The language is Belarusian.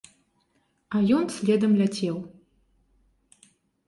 А ён следам ляцеў.